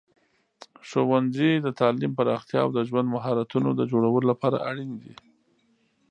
ښوونځي د تعلیم پراختیا او د ژوند مهارتونو د جوړولو لپاره اړین دي.